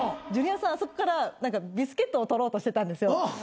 ジュニアさんあそこからビスケットを取ろうとしてたんですよ。